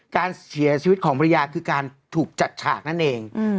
การเสียชีวิตของภรรยาคือการถูกจัดฉากนั่นเอง